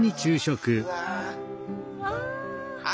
あ。